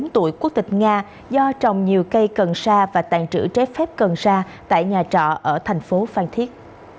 bốn mươi tuổi quốc tịch nga do trồng nhiều cây cần sa và tàn trữ trái phép cần sa tại nhà trọ ở thành phố phan thiết